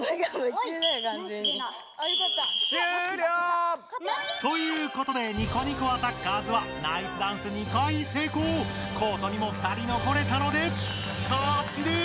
終了！ということでニコニコアタッカーズはナイスダンス２回成功コートにも２人残れたので勝ちです！